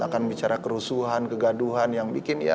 akan bicara kerusuhan kegaduhan yang bikin ya